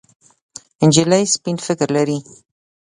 نجلۍ سپين فکر لري.